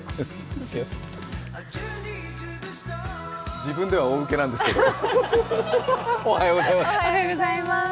自分では大ウケなんですけれども、おはようございます。